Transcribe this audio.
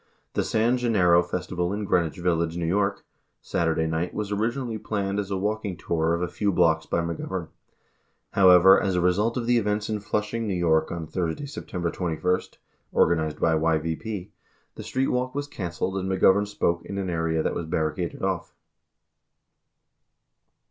The San Gen nero Festival in Greenwich Village, N.Y., Saturday night was originally planned as a walking tour of a few blocks by McGovern. However, as a result of the events in Flushing, X. Y., on Thursday, September 21 [organized by YVP], the street walk was canceled and McGovern spoke in an area that was barricaded off.